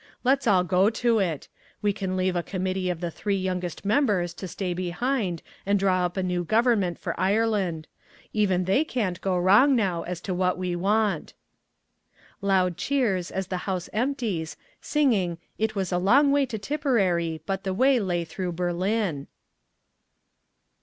Let's all go to it. We can leave a committee of the three youngest members to stay behind and draw up a new government for Ireland. Even they can't go wrong now as to what we want." Loud Cheers as the House empties, singing "It was a Long Way to Tipperary, but the way lay through Berlin."